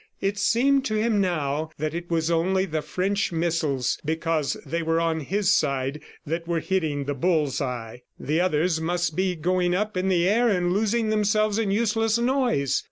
It seemed to him now that it was only the French missiles because they were on his side that were hitting the bull's eye. The others must be going up in the air and losing themselves in useless noise.